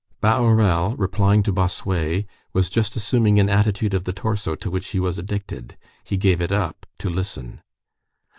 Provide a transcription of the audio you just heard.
Bahorel, replying to Bossuet, was just assuming an attitude of the torso to which he was addicted. He gave it up to listen.